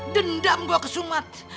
dendam gue ke sumat